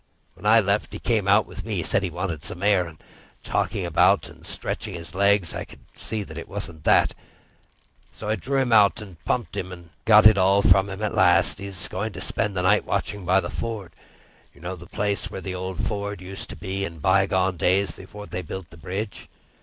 When I left, he came out with me—said he wanted some air, and talked about stretching his legs. But I could see it wasn't that, so I drew him out and pumped him, and got it all from him at last. He was going to spend the night watching by the ford. You know the place where the old ford used to be, in by gone days before they built the bridge?"